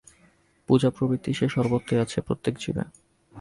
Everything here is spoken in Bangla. পূজাপ্রবৃত্তি তো সর্বত্রই আছে, প্রত্যেক জীবে।